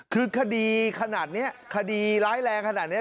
คือคดีขนาดนี้คดีร้ายแรงขนาดนี้